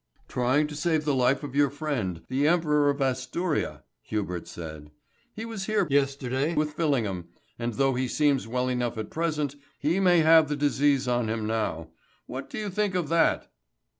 "Trying to save the life of your friend, the Emperor of Asturia," Hubert said. "He was here yesterday with Fillingham, and, though he seems well enough at present, he may have the disease on him now. What do you think of that?"